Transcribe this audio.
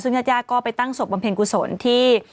ซึ่งญาติญาติก็ไปตั้งศพบำเพ็ญกุศลที่